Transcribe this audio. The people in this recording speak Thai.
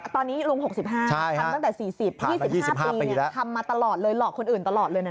ตอนนี้ลุง๖๕ทำตั้งแต่๔๐๒๕ปีทำมาตลอดเลยหลอกคนอื่นตลอดเลยนะ